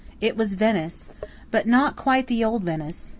It was Venice; but not quite the old Venice.